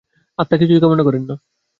আত্মা কিছুই কামনা করেন না।